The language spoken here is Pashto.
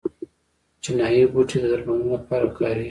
چینايي بوټي د درملنې لپاره کاریږي.